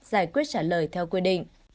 giải quyết trả lời theo quy định